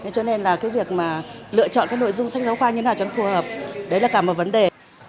cho nên là cái việc mà lựa chọn cái nội dung sách giáo khoa như thế nào cho nó phù hợp đấy là cả một vấn đề